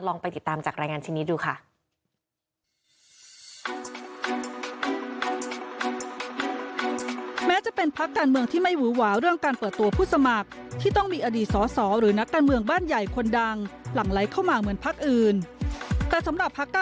ลองไปติดตามจากรายงานที่นี้ดูค่ะ